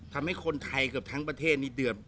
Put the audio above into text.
ทำให้คนไทยเกือบทั้งประเทศนี้เดือด